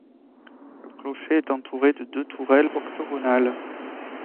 Le clocher est entouré de deux tourelles octogonales.